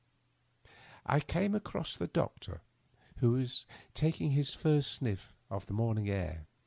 I came across the doctor, who was taking his first sniS of the morning air.